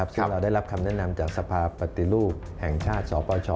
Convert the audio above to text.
ซึ่งเราได้รับคำแนะนำจากสภาปฏิรูปแห่งชาติสปช